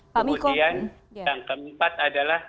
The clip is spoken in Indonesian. kemudian yang keempat adalah